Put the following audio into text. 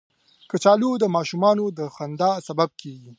کچالو د ماشومانو د خندا سبب کېږي